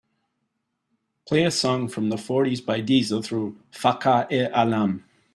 Play a song from the fourties by Deezer through Fakhar-e-alam.